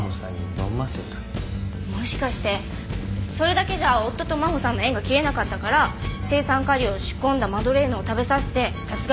もしかしてそれだけじゃ夫と真帆さんの縁が切れなかったから青酸カリを仕込んだマドレーヌを食べさせて殺害した。